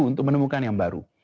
untuk menemukan yang baru